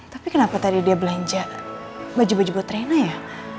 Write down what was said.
tapi kenapa tadi dia belanja baju baju buat rena ya